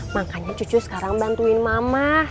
makanya cucu sekarang bantuin mama